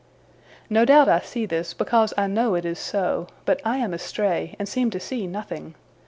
No doubt I see this, because I know it is so; but I am astray, and seem to see nothing.